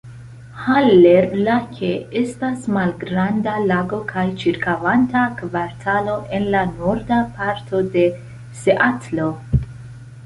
Haller Lake estas malgranda lago kaj ĉirkaŭanta kvartalo en la norda parto de Seatlo.